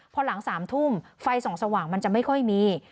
พอหลัง๓ทุ่มไฟส่องสว่างมันจะไม่ค่อยมี